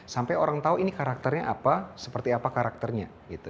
sampai orang tahu ini karakternya apa seperti apa karakternya